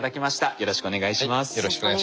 よろしくお願いします。